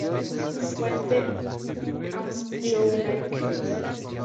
Fuente: "As You Like It".